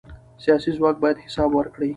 سیاسي ځواک باید حساب ورکړي